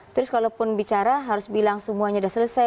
terus kalaupun bicara harus bilang semuanya sudah selesai